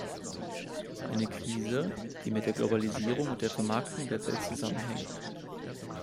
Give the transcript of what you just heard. Eine Krise, die mit der Globalisierung und der Vermarktung der Welt zusammenhängt.